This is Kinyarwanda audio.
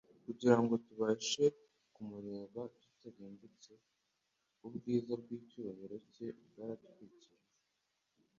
Kugira ngo tubashe kumureba tutarimbutse, ubwiza bw'icyubahiro cye bwaratwikiriwe,